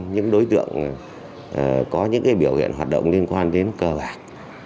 những đối tượng có những biểu hiện hoạt động liên quan đến cờ bạc